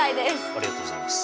ありがとうございます。